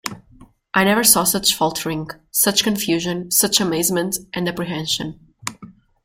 I never saw such faltering, such confusion, such amazement and apprehension.